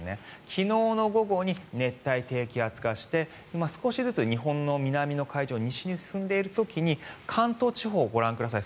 昨日の午後に熱帯低気圧化して少しずつ日本の南の海上を西に進んでいる時に関東地方、ご覧ください。